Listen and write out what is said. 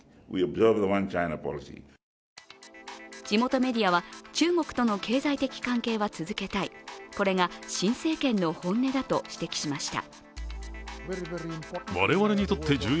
地元メディアは、中国との経済的関係は続けたい、これが新政権の本音だと指摘しました。